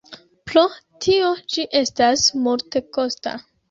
Pro tio ĝi estas multekosta.